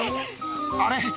あれ？